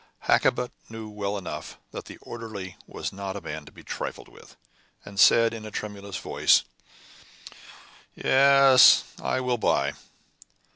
Hakkabut knew well enough that the orderly was not a man to be trifled with, and said, in a tremulous voice, "Yes, I will buy."